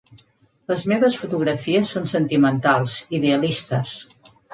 Les meves fotografies són sentimentals, idealistes.